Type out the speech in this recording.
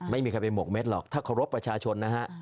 ถ้าเคารพประชาชนนะฮะ